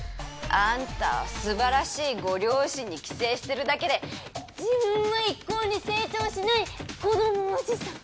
アンタはすばらしいご両親に寄生してるだけで自分は一向に成長しない子供おじさん！